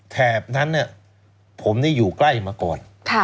แถบนั้นผมนี่อยู่ใกล้มาก่อน